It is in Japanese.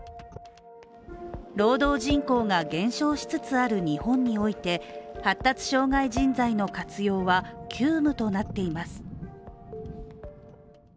労働人口が減少しつつある日本において、発達障害人材の活用は急務となっています。